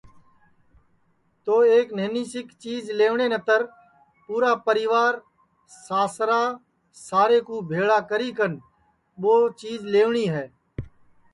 تو ایک نہنی سی چیج لئیوٹؔے نتر پُورا پریوار ساسرا سارے کُو بھیݪا کری کن ٻو چیج لئیوٹؔی ہے